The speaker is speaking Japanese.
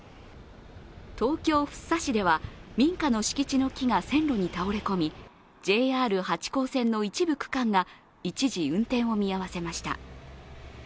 東京・福生市では、民家の敷地の木が線路に倒れ込み、ＪＲ八高線の一部区間が一時運転を見合わせました。